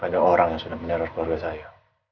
pada orang yang sudah meneror keluarga saya